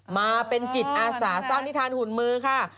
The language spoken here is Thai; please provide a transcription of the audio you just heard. มาเป็นจิตอาสาสร้างนิทานหุ่นมือค่ะ